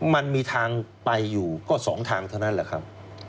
มันมีทางไปอยู่ก็๒ทางเท่านั้นแหละครับ